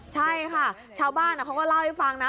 ใช่ค่ะชาวบ้านเขาก็เล่าให้ฟังนะ